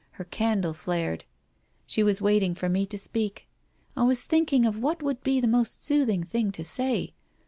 Her candle flared. She was waiting for me to speak. I was "thinking of what would be the most soothing thing to say.